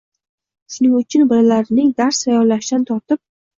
Shuning uchun bolalarining dars tayyorlashidan tortib